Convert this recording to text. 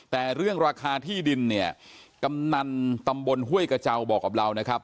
แต่เรื่องราคาที่ดินเนี่ยกำนันตำบลห้วยกระเจ้าบอกกับเรานะครับ